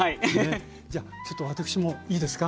じゃあちょっと私もいいですか？